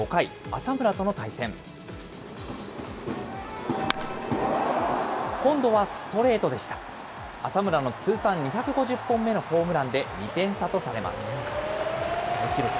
浅村の通算２５０本目のホームランで２点差とされます。